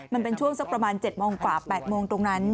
มันเป็นช่วงสักประมาณ๗โมงกว่า๘โมงตรงนั้น